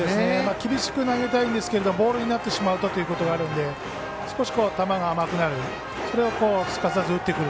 厳しく投げたいんですけどボールになってしまうとということがあるので少し球が甘くなる。